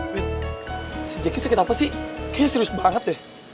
wait si zaki sakit apa sih kayaknya serius banget deh